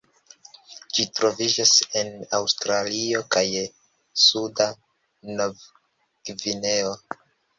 Ĝi troviĝas en Aŭstralio kaj suda Novgvineo.